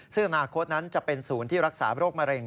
ซึ่งอนาคตนั้นจะเป็นศูนย์ที่รักษาโรคมะเร็ง